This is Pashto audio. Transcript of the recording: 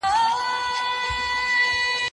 هېڅکله د چا په غیاب کي ناسم قضاوت مه کوئ.